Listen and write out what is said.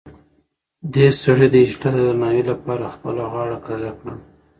دې سړي د هېټلر د درناوي لپاره خپله غاړه کږه کړه.